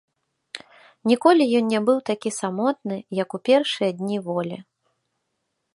Ніколі ён не быў так самотны, як у першыя дні волі.